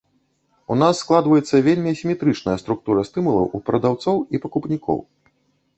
У нас складваецца вельмі асіметрычная структура стымулаў у прадаўцоў і пакупнікоў.